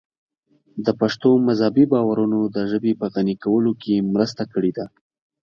د پښتنو مذهبي باورونو د ژبې په غني کولو کې مرسته کړې ده.